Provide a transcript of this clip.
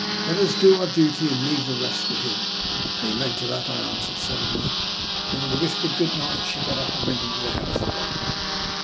Let us do our duty and leave the rest to Him." " Amen to that," I answered solemnly ; and then with a whispered " good night " she got up and went into the house again.